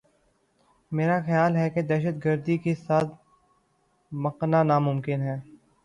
میرا خیال یہ ہے کہ دہشت گردی کے ساتھ بقا ناممکن ہے۔